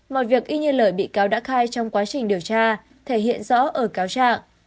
mọi việc y như lời bị cáo đã khai trong quá trình điều tra thể hiện rõ ở cáo trạng